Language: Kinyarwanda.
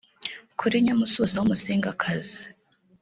Kuri Nyamususa w’umusingakazi